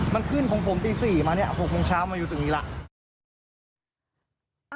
มันขึ้น๖โมงตี๔มาเนี่ย๖โมงเช้ามันอยู่ตรงนี้แหละ